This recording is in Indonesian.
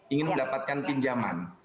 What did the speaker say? ingin mendapatkan pinjaman